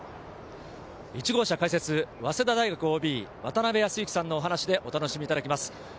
１号車解説、早稲田大学ＯＢ・渡辺康幸さんのお話でお楽しみいただきます。